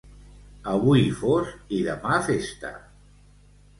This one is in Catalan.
Avui fos, i demà festa!